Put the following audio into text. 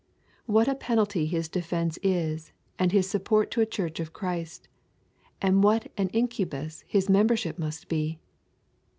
What a penalty his defence is and his support to a church of Christ, and what an incubus his membership must be!